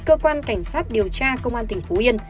cơ quan cảnh sát điều tra công an tỉnh phú yên